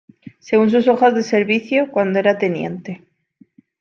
Según su hoja de servicios, cuando era Tte.